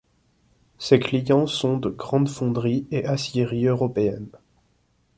Ses clients sont de grandes fonderies et aciéries européennes.